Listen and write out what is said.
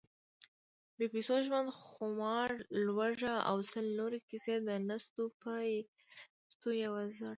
بې پیسو ژوند، خمار، لوږه… او سل نورې کیسې، د نستوه یو زړهٔ: